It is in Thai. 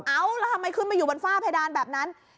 เอาแล้วทำไมขึ้นมาอยู่บนฝ้าเพดานแบบนั้น